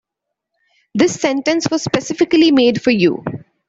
This sentence was specifically made for you.